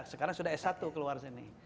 sekarang sudah s satu keluar sini